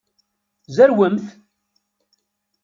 Zerwemt!